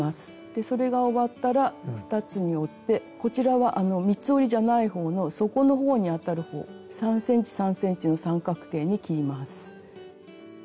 でそれが終わったら二つに折ってこちらはあの三つ折りじゃない方の底の方にあたる方３ｃｍ３ｃｍの三角形に切ります。